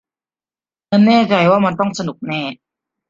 ฉันแน่ใจว่ามันต้องสนุกแน่